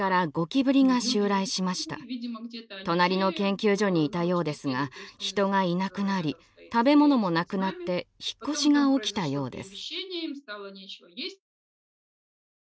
隣の研究所にいたようですが人がいなくなり食べ物もなくなって引っ越しが起きたようです。